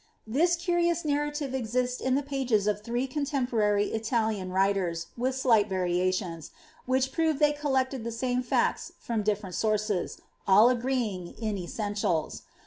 • This curious narrative exists in the pages of three eontempomy h lian writers, with slight variations ; which prove diey collected the su» fects from diflerent sources, all agreeing in essentials.